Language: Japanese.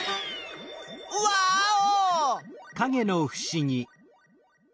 ワーオ！